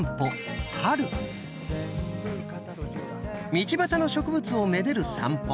道端の植物をめでる散歩。